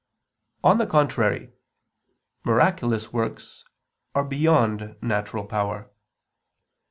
On the contrary, Miraculous works are beyond natural power.